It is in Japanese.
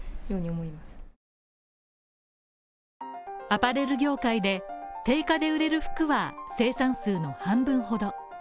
アパレル業界で定価で売れる服は、生産数の半分ほど。